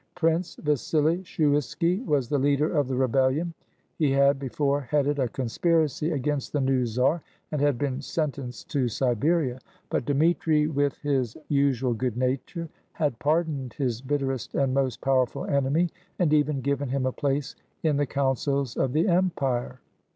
Prince Vassili Shuiski was the leader of the rebellion. He had before headed a conspiracy against the new czar, and had been sentenced to Siberia. But Dmitri with his usual good nature had pardoned his bitterest and most powerful enemy, and even given him a place in the coun cils of the empire.